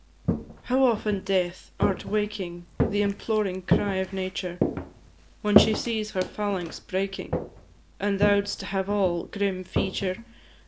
How often, Death! art waking The imploring cry of Nature! When she sees her phalanx breaking, As thou'dst have all grim feature!